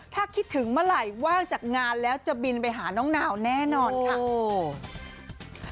ถ้าคิดถึงเมื่อไหร่ว่างจากงานแล้วจะบินไปหาน้องนาวแน่นอนค่ะ